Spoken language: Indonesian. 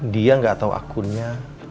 dia gak tau akunnya